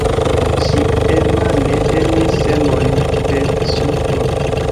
Ŝi enmane tenis semojn de sunflor.